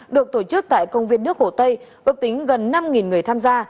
được tổ chức tại công viên nước hồ tây ước tính gần năm người tham gia